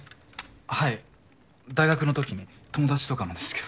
はい大学の時に友達とかのですけど。